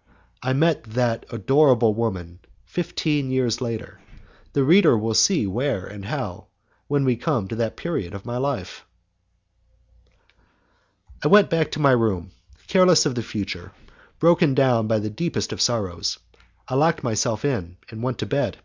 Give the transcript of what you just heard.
...................... I met that adorable woman fifteen years later; the reader will see where and how, when we come to that period of my life. ...................... I went back to my room, careless of the future, broken down by the deepest of sorrows, I locked myself in, and went to bed.